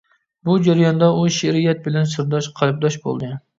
بۇ جەرياندا ئۇ شېئىرىيەت بىلەن سىرداش، قەلبداش بولدى.